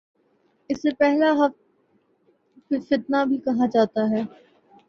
اسے پہلا فتنہ بھی کہا جاتا ہے